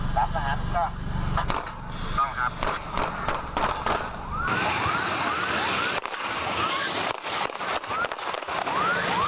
พร้อมพร้อมพร้อมครับ